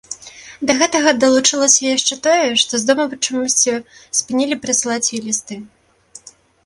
Да гэтага далучылася яшчэ тое, што з дому чамусьці спынілі прысылаць ёй лісты.